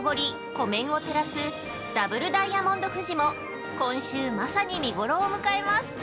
湖面を照らすダブルダイヤモンド富士も今週まさに見ごろを迎えます。